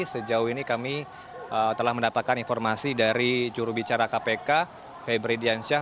sejauh ini kami telah mendapatkan informasi dari jurubicara kpk febri diansyah